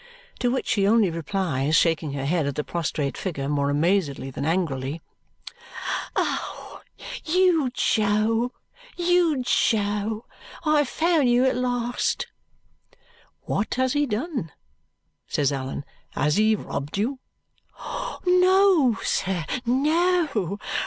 To which she only replies, shaking her head at the prostrate figure more amazedly than angrily, "Oh, you Jo, you Jo. I have found you at last!" "What has he done?" says Allan. "Has he robbed you?" "No, sir, no.